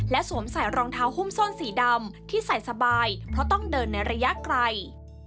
สวมใส่รองเท้าหุ้มส้นสีดำที่ใส่สบายเพราะต้องเดินในระยะไกล